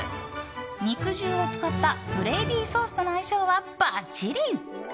肉汁を使ったグレイビーソースとの相性はばっちり！